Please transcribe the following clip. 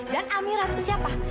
dan amira itu siapa